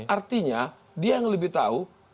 artinya dia yang lebih tahu